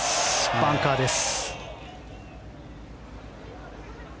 バンカーです。